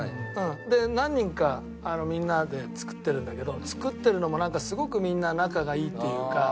で何人かみんなで作ってるんだけど作ってるのもなんかすごくみんな仲がいいっていうか。